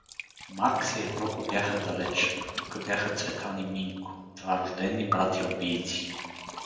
Маркс и Европа бяха далеч, а тука бяха Цветан и Минко, два рождени братя-убийци.